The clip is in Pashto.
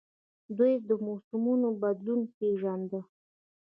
دوی د موسمونو بدلون پیژانده